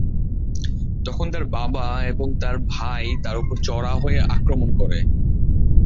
তখন তার বাবা এবং তার ভাই তার উপর চড়াও হয়ে আক্রমণ করে।